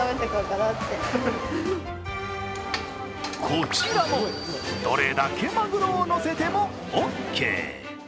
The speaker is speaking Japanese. こちらも、どれだけまぐろをのせてもオーケー。